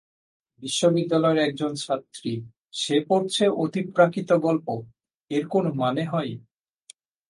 বিশ্ববিদ্যালয়ের একজন ছাত্রী, সে পড়ছে অতিপ্রাকৃত গল্প, এর কোনো মানে হয়?